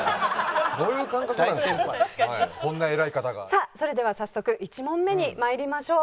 さあそれでは早速１問目に参りましょう。